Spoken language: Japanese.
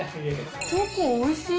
チョコおいしい！